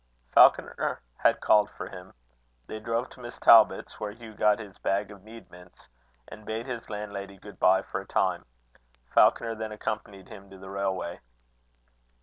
Falconer had called for him. They drove to Miss Talbot's, where Hugh got his 'bag of needments,' and bade his landlady good bye for a time. Falconer then accompanied him to the railway.